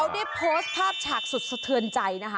ได้โพสต์ภาพฉากสุดสะเทือนใจนะคะ